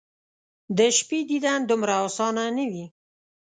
د شپې دیدن دومره اسانه ،نه وي